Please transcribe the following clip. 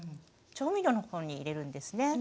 調味料のところに入れるんですね。